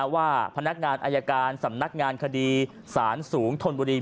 ว่าพนักงานอายการสำนักงานคดีสารสูงธนบุรี